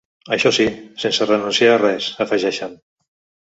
Això sí, sense renunciar a res, afegeixen.